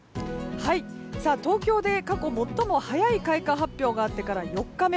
東京で過去最も早い開花発表があってから４日目。